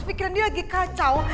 pikiran dia lagi kacau